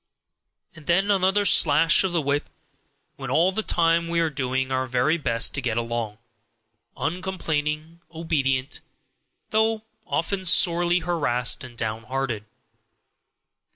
And then another slash of the whip, when all the time we are doing our very best to get along, uncomplaining and obedient, though often sorely harassed and down hearted.